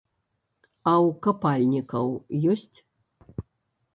А ў капальнікаў ёсць.